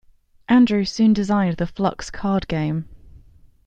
Andrew soon designed the Fluxx card game.